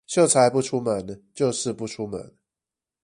秀才不出門就是不出門